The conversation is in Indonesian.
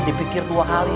dipikir dua kali